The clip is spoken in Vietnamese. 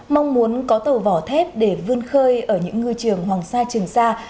mong muốn có tàu vỏ thép để vươn khơi ở những ngư trường hoàng sa trường sa